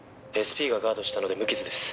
「ＳＰがガードしたので無傷です」